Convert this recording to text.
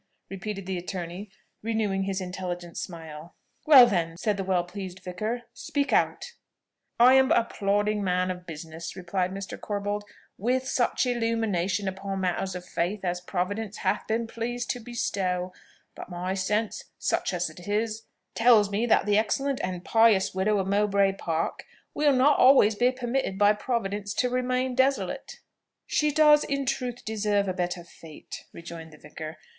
repeated the attorney, renewing his intelligent smile. "Well then," said the well pleased vicar, "speak out." "I am but a plodding man of business," replied Mr. Corbold, "with such illumination upon matters of faith as Providence hath been pleased to bestow; but my sense, such as it is, tells me that the excellent and pious widow of Mowbray Park will not always be permitted by Providence to remain desolate." "She does, in truth, deserve a better fate," rejoined the vicar.